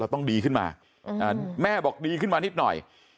ต้องดีขึ้นมาแม่บอกดีขึ้นมานิดหน่อย